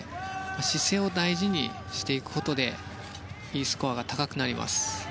姿勢を大事にしていくことでＥスコアが高くなります。